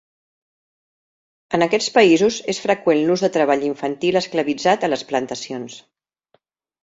En aquests països és freqüent l'ús de treball infantil esclavitzat a les plantacions.